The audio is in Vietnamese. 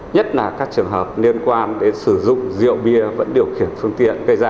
nhất là các trường hợp liên quan đến sử dụng rượu bia vẫn điều khiển phương tiện